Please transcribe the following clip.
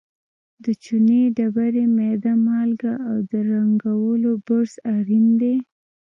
د چونې ډبرې، میده مالګه او د رنګولو برش اړین دي.